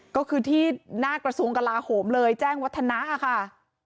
ก็คือที่หน้ากระทรวงกลาโหมเลยแจ้งวัฒนะค่ะ